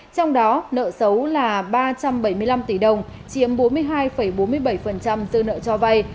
trong đó nợ xấu là ba trăm bảy mươi năm tỷ đồng chiếm bốn mươi hai bốn mươi bảy dư nợ cho vay